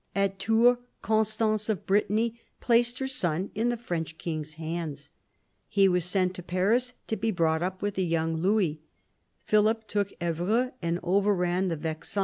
At Tours Constance of Brittany placed her son in the French king's hands. He was sent to Paris to be brought up with the young Louis. Philip took Evreux and overran the Vexin.